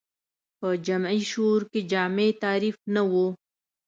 په جمعي شعور کې جامع تعریف نه و